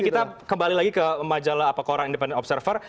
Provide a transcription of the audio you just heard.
kita kembali lagi ke majalah koran independent observer